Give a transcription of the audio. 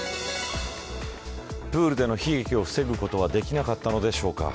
プールでの悲劇を防ぐことはできなかったのでしょうか。